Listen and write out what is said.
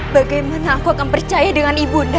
bagaimana aku akan percaya dengan ibu nda